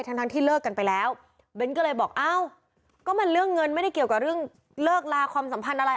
ทั้งทั้งที่เลิกกันไปแล้วเบ้นก็เลยบอกอ้าวก็มันเรื่องเงินไม่ได้เกี่ยวกับเรื่องเลิกลาความสัมพันธ์อะไร